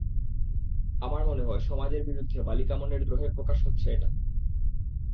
আমার মনে হয়, সমাজের বিরুদ্ধে বালিকা মনের দ্রোহের প্রকাশ হচ্ছে এটা।